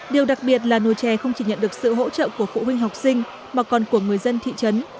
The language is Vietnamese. điều đặc biệt là nồi chè không chỉ nhận được sự hỗ trợ của phụ huynh học sinh mà còn của người dân thị trấn